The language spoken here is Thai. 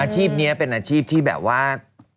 อาชีพนี้เป็นอาชีพที่แบบว่า